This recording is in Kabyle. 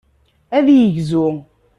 Ad yegzu.